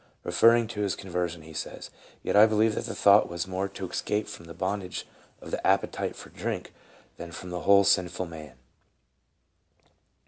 Eeferring to his conversion he says, " Yet I believe that the thought was more to escape from the bondage of the appetite for drink than from the whole sinful man."